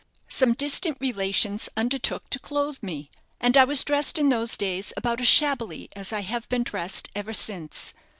Some distant relations undertook to clothe me; and I was dressed in those days about as shabbily as I have been dressed ever since.